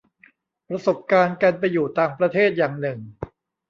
ประสบการณ์การไปอยู่ต่างประเทศอย่างหนึ่ง